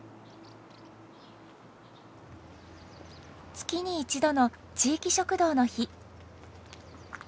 月に１度の地域食堂の日。